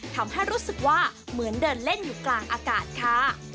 ทำให้รู้สึกว่าเหมือนเดินเล่นอยู่กลางอากาศค่ะ